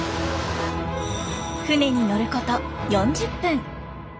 船に乗ること４０分。